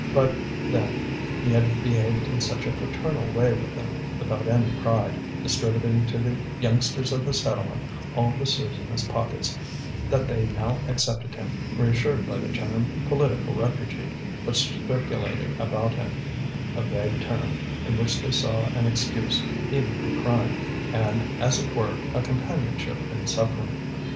But then he had behaved in such a fraternal way with them, without any pride, distributing to the youngsters of the settlement all the sous in his pockets, that they now accepted him, reassured by the term "political refugee" which circulated about him a vague term, in which they saw an excuse even for crime, and, as it were, a companionship in suffering.